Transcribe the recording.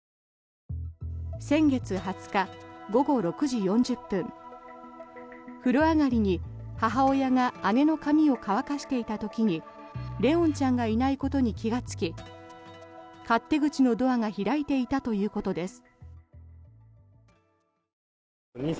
先月２０日、午後６時４０分風呂上がりに母親が姉の髪を乾かしていた時に怜音ちゃんがいないことに気がつき勝手口のドアが開いていたということです。